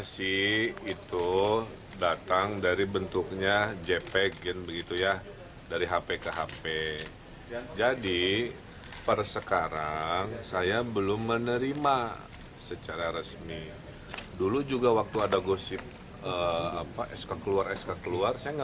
saya tidak berkomentar karena saya belum pegang